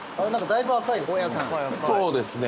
そうですね。